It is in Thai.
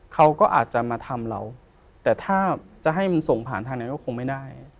เขาก็อาจจะมาทำเราแต่ถ้าจะให้มันส่งผ่านทางนั้นก็คงไม่ได้